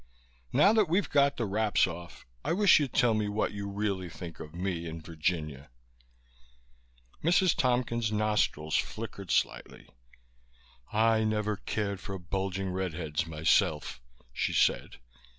Now that we've got the wraps off I wish you'd tell me what you really think of me and Virginia." Mrs. Tompkins' nostrils flickered slightly. "I never cared for bulging red heads myself," she said.